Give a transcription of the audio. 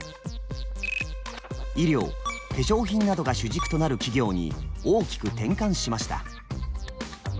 医療・化粧品などが主軸となる企業に大きく転換しました。